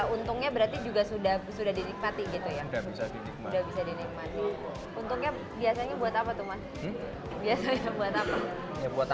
untungnya berarti sudah dinikmati gitu ya